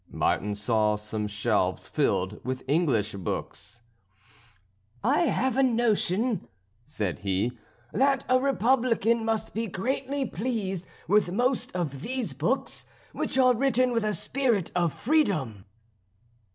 Martin saw some shelves filled with English books. "I have a notion," said he, "that a Republican must be greatly pleased with most of these books, which are written with a spirit of freedom."